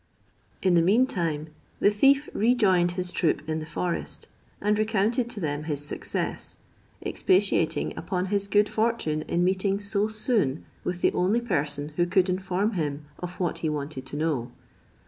In the mean time the thief rejoined his troop in the forest, and recounted to them his success; expatiating upon his good fortune, in meeting so soon with the only person who could inform him of what he wanted to know.